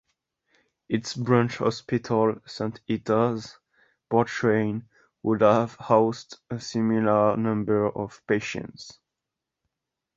Its branch hospital, Saint Ita's, Portrane, would have housed a similar number of patients.